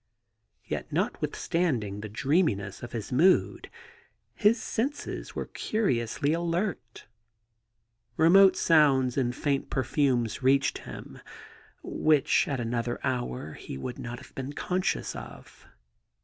Yet notwithstanding the dreaminess of his mood, his senses were curiously alert Remote sounds and faint perfumes reached him, which at another hour he would not have been conscious of.